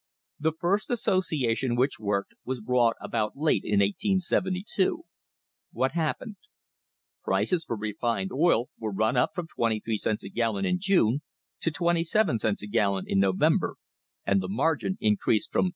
The first association which worked was brought about late in 1872. What happened? Prices for refined oil were run up from 23 cents a gallon in June to 27 cents a gallon in November, and the margin increased from 13.